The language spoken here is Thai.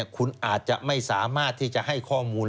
คุณอาจจะไม่สามารถที่จะให้ข้อมูล